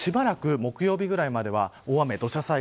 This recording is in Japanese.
しばらく木曜日ぐらいまでは大雨。